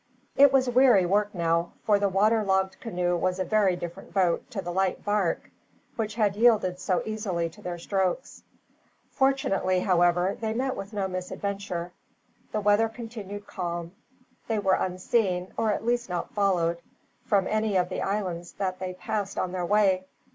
It was weary work now, for the water logged canoe was a very different boat to the light bark, which had yielded so easily to their strokes. Fortunately, however, they met with no misadventure. The weather continued calm. They were unseen, or at least not followed, from any of the islands that they passed on their way.